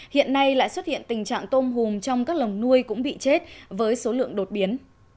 hiện nay lại xuất hiện tình trạng tôm hùm trong các lồng nuôi cũng bị chết với số lượng đột biến